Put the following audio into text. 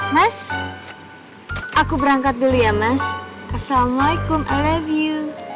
mas aku berangkat dulu ya mas assalamu'alaikum i love you